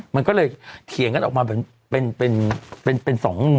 มันก็เลยเถียงกันออกมาเป็นสอง